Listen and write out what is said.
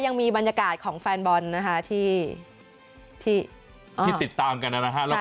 ยังมีบรรยากาศของแฟนบอลนะคะที่ติดตามกันนะฮะ